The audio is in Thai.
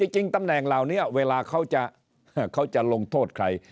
ตำแหน่งเหล่านี้เวลาเขาจะลงโทษใคร